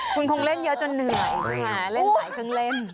คุณคงเล่นเยอะจนเหนื่อยเล่นหลายเครื่องเล่น